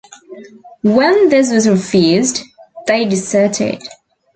When this was refused, they deserted.